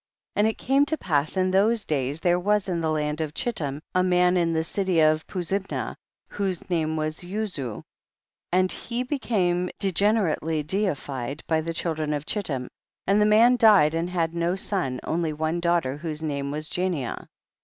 7. And it came to pass in those days there was in the land of Chiltim a man in the city of Puzimna, whose name was Uzu, and he became de generately deilied by the children of Chittim, and the man died and had no son, only one daughter whose name was Jania.